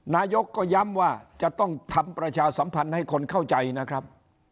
นายกก็ย้ำว่าจะต้องทำประชาสัมพันธ์ให้คนเข้าใจนะครับ